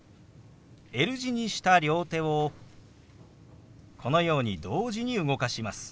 Ｌ字にした両手をこのように同時に動かします。